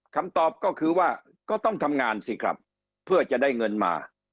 คำตอบก็คือว่าก็ต้องทำงานสิครับเพื่อจะได้เงินมา